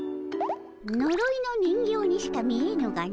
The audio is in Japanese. のろいの人形にしか見えぬがの。